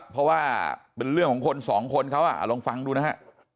เพราะว่าเป็นเรื่องของคนสองคนเขาลองฟังดูนะฮะ